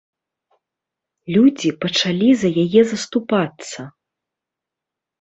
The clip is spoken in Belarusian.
Людзі пачалі за яе заступацца.